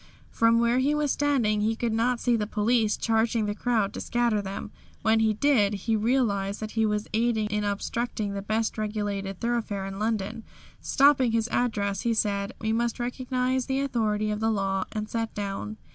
From where he was standing he could not see the police charging the crowd to scatter them. When he did, he realised that he was aiding in obstructing the best regulated thoroughfare in London. Stopping his address, he said, "We must recognise the authority of the law," and sat down.